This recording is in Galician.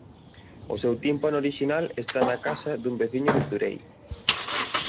O seu tímpano orixinal está na casa dun veciño de Turei.